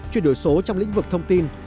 chuyển đổi số trong lĩnh vực thông tin